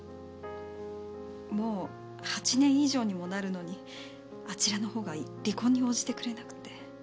もう８年以上にもなるのにあちらのほうが離婚に応じてくれなくて。